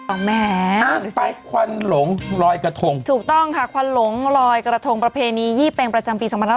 อ่าไปควันหลงรอยกระทงถูกต้องค่ะควันหลงรอยกระทงประเพณียี่แปงประจำภีร์สำหรับ